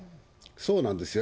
そうなんですよ。